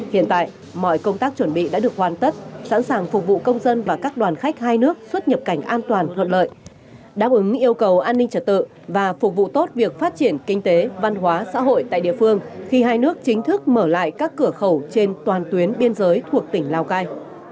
hiện tại mọi công tác chuẩn bị đã được hoàn tất sẵn sàng phục vụ công dân và các đoàn khách hai nước xuất nhập cảnh an toàn thuận lợi đáp ứng yêu cầu an ninh trật tự và phục vụ tốt việc phát triển kinh tế văn hóa xã hội tại địa phương khi hai nước chính thức mở lại các cửa khẩu trên toàn tuyến biên giới thuộc tỉnh lào cai